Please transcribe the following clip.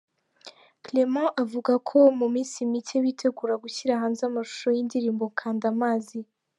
Clement avuga ko mu minsi mike bitegura gushyira hanze amashusho y’indirimbo Kanda Amazi.